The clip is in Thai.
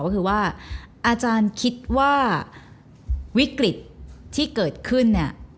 ก็คือว่าอาจารย์คิดว่าวิกฤตที่เกิดขึ้นเนี่ย